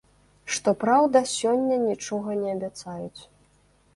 Што праўда, сёння нічога не абяцаюць.